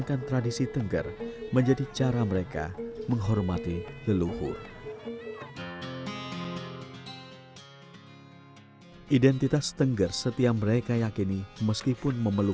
kami berdoa untuk mengucapkan semangat untuk orang orang yang berkembang